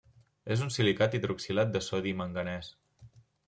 És un silicat hidroxilat de sodi i manganès.